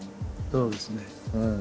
そうですね。